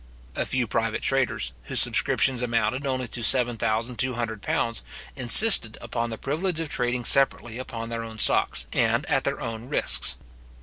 A few private traders, whose subscriptions amounted only to seven thousand two hundred pounds, insisted upon the privilege of trading separately upon their own stocks, and at their own risks.